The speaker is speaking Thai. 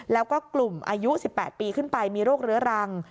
แล้วก็กลุ่มอายุ๑๘ปีขึ้นไปมีโรคเรื้อรัง